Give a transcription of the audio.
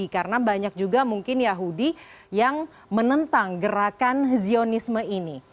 karena banyak juga mungkin yahudi yang menentang gerakan zionisme ini